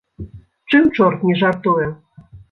Чым чорт не жартуе!